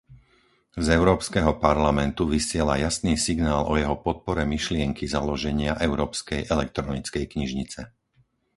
Z Európskeho parlamentu vysiela jasný signál o jeho podpore myšlienky založenia európskej elektronickej knižnice.